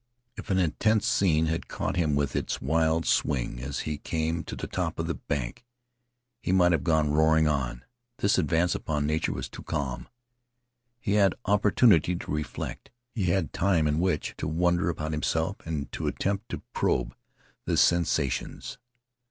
If an intense scene had caught him with its wild swing as he came to the top of the bank, he might have gone roaring on. This advance upon Nature was too calm. He had opportunity to reflect. He had time in which to wonder about himself and to attempt to probe his sensations.